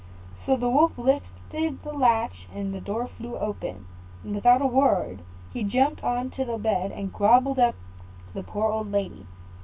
So the Wolf lifted the latch, and the door flew open; and without a word, he jumped on to the bed, and gobbled up the poor old lady.